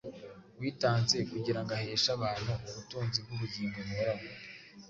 witanze kugira ngo aheshe abantu ubutunzi bw’ubugingo buhoraho.